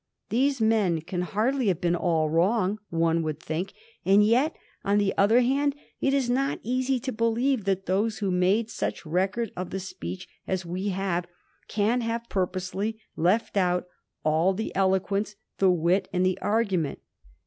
These men can hardly have been all wrong, one would think ; and yet, on the other hand, it is not easy to believe that those who made such record of the speech as we have can have purposely left out all the eloquence, the wit, and the argument.